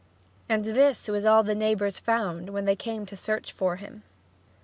And this was all the neighbors found when they came to search for him.